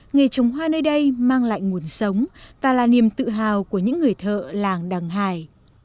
nghề trồng hoa nơi đây mang lại nguồn sống và là niềm tự hào của những người thợ làng đằng hải